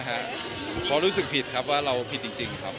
เขารู้สึกผิดครับว่าเราผิดจริงครับ